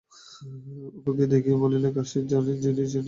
অপুকে দেখাইয়া বলিল, কাশীর জিনিস, সবাই বলবে কি এনেচ দেখি!